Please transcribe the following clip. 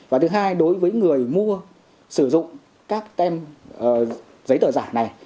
và thứ hai đối với người mua sử dụng các tem giấy tờ giả này